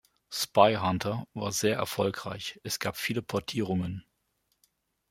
Spy Hunter war sehr erfolgreich; es gab viele Portierungen.